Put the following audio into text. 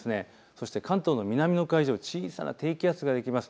そして関東の南の海上、小さな低気圧ができます。